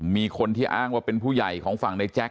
มีคนที่อ้างว่าเป็นผู้ใหญ่ของฝั่งในแจ๊ค